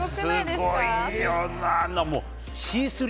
すっごいよな。